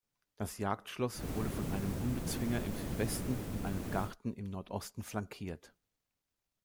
Das Jagdschloss wurde von einem Hundezwinger im Südwesten und einem Garten im Nordosten flankiert.